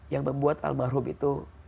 yang membuat al barkhum itu